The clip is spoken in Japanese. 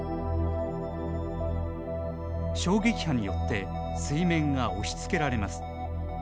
衝撃波によって水面が押しつけられます。